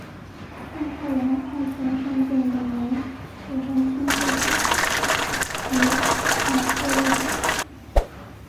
尚泰王派遣尚健等人组成庆贺使节团赴日本。